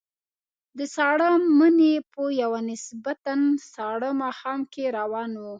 د ساړه مني په یوه نسبتاً ساړه ماښام کې روان وو.